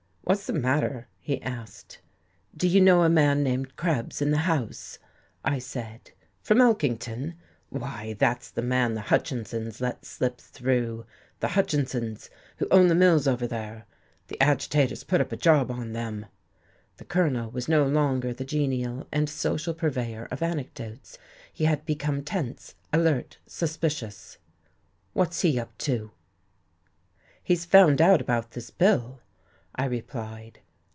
"What's the matter?" he asked. "Do you know a man named Krebs in the House?" I said. "From Elkington? Why, that's the man the Hutchinses let slip through, the Hutchinses, who own the mills over there. The agitators put up a job on them." The Colonel was no longer the genial and social purveyor of anecdotes. He had become tense, alert, suspicious. "What's he up to?" "He's found out about this bill," I replied.